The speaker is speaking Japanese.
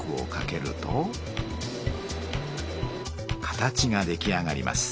形が出来上がります。